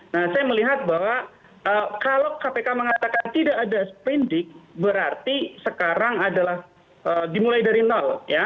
nah saya melihat bahwa kalau kpk mengatakan tidak ada seprindik berarti sekarang adalah dimulai dari nol ya